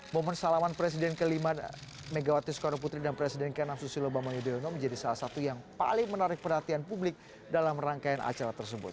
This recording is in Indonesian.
momen salaman presiden ke lima megawati soekarno putri dan presiden ke enam susilo bambang yudhoyono menjadi salah satu yang paling menarik perhatian publik dalam rangkaian acara tersebut